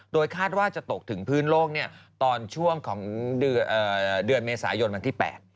โดยคาดว่าจะตกถึงพื้นโลกตอนช่วงของเดือนเมษายนวันที่๘